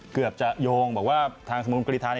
เกือบจะโยงบอกว่าทางสมรกรีไทย